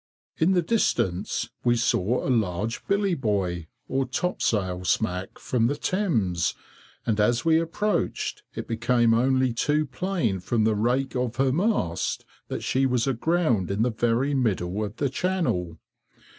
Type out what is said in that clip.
In the distance, we saw a large billy boy, or topsail smack, from the Thames, and as we approached, it became only too plain from the rake of her mast, that she was aground in the very middle of the channel.